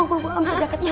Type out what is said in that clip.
bu bu bu ambil jaket ya